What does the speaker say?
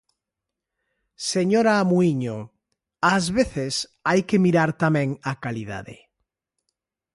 Señora Muíño, ás veces hai que mirar tamén a calidade.